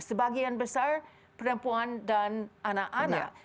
sebagian besar perempuan dan anak anak